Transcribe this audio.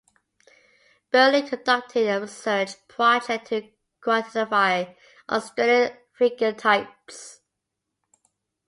Berlei conducted a research project to quantify Australian 'figure types'.